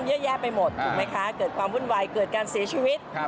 เยอะแยะไปหมดถูกไหมคะเกิดความวุ่นวายเกิดการเสียชีวิต